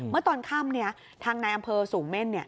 เมื่อตอนค่ำทางนายอำเภอสูงเม่น